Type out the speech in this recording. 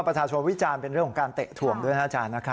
ประชาชนวิจารณ์เป็นเรื่องของการเตะถ่วงด้วยนะอาจารย์